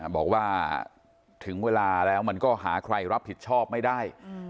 บอกว่าถึงเวลาแล้วมันก็หาใครรับผิดชอบไม่ได้